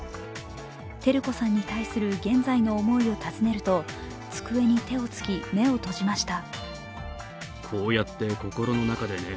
照子さんに対する現在の思いを尋ねると机に手をつき、目を閉じました。